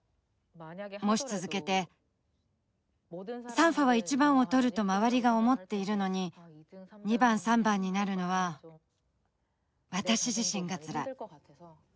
もし続けてサンファは１番を取ると周りが思っているのに２番３番になるのは私自身がつらい。